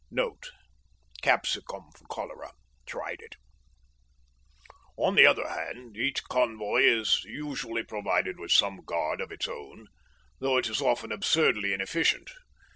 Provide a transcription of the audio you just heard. (Note: capsicum for cholera tried it) On the other hand, each convoy is usually provided with some guard of its own, though it is often absurdly inefficient.